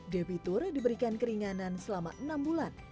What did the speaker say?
debitur diberikan keringanan selama enam bulan